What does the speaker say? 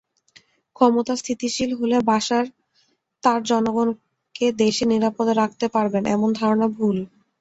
ক্ষমতা স্থিতিশীল হলে বাশার তাঁর জনগণকে দেশে নিরাপদে রাখতে পারবেন—এমন ধারণা ভুল।